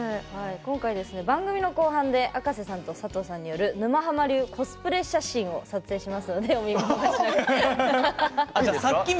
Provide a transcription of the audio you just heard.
今回、番組の後半であかせさんと佐藤さんによる沼ハマ流コスプレ写真を撮影します。